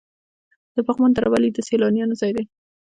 د پغمان دره ولې د سیلانیانو ځای دی؟